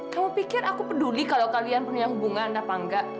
kamu pikir aku peduli kalau kalian punya hubungan apa enggak